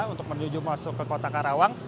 untuk menuju masuk ke kota karawang